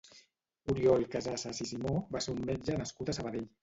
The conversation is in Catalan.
Oriol Casassas i Simó va ser un metge nascut a Sabadell.